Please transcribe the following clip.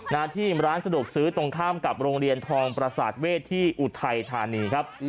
หน้าที่ร้านสะดวกซื้อตรงข้ามกับโรงเรียนทองประสาทเวทที่อุทัยธานีครับ